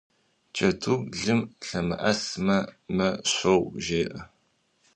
Джэдур лым лъэмыӀэсмэ «мэ щоу» жеӀэ.